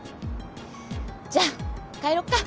じゃあ帰ろっか。